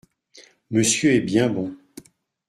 Monsieur est bien bon…